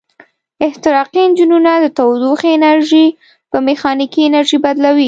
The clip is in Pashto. احتراقي انجنونه د تودوخې انرژي په میخانیکي انرژي بدلوي.